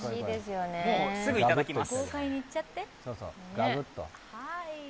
もうすぐいただきます。